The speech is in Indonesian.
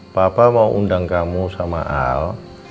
papa mau undang kamu sama al